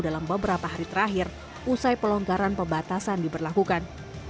dalam beberapa hari terakhir usai pelonggaran pembatasan diberlakukan